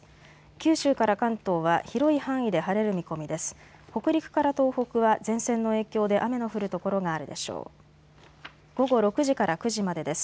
九州から関東は広い範囲で晴れる見込みです。